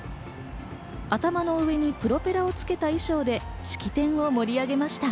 頭の上にプロペラをつけた衣装で式典を盛り上げました。